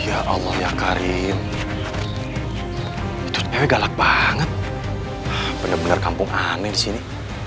ya allah ya karim itu galak banget bener bener kampung aneh di sini